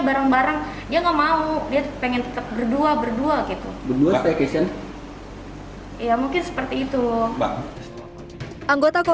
barang barang dia enggak mau dia pengen tetap berdua berdua gitu berdua staycation ya mungkin